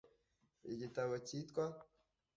Igitabo cyitwa